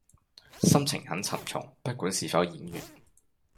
心情很沉重不管是否演員